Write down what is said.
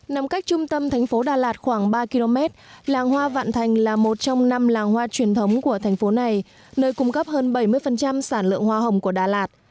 nằm cách trung tâm thành phố đà lạt khoảng ba km làng hoa vạn thành là một trong năm làng hoa truyền thống của thành phố này nơi cung cấp hơn bảy mươi sản lượng hoa hồng của đà lạt